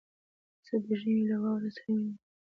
زه د ژمي له واورو سره مينه لرم